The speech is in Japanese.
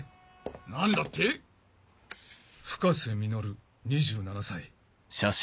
何だって⁉深瀬稔２７歳。